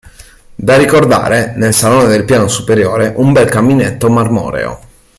Da ricordare, nel salone del piano superiore, un bel caminetto marmoreo.